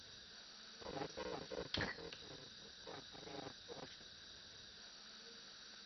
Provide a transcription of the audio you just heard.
后来在香港政府多方斡旋之下才被获释。